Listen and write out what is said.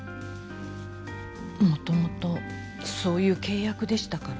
もともとそういう契約でしたから。